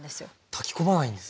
炊き込まないんです。